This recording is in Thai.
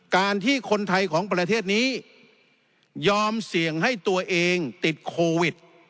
การที่คนไทยของประเทศนี้ยอมเสี่ยงให้ตัวเองติดโควิด